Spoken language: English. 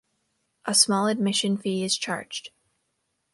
A small admission fee is charged.